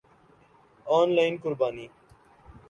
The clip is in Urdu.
آن لائن قربانی